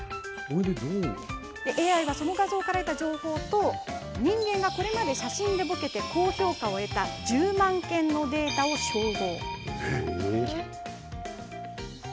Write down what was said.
ＡＩは、その画像から得た情報と人間がこれまで写真でぼけて高評価を得た１０万件のデータを照合。